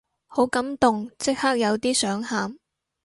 好感動，即刻有啲想喊